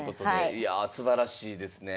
いやすばらしいですね。